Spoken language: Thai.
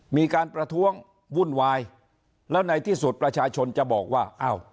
มีการประท้วงวุ่นวายแล้วในที่สุดประชาชนจะบอกว่าอ้าว